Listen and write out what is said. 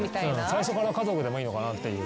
最初から家族でもいいのかなっていう。